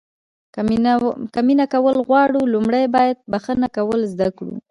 که مینه کول غواړو لومړی باید بښنه کول زده کړو.